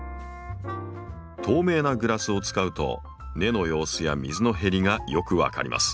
透明なグラスを使うと根の様子や水の減りがよく分かります。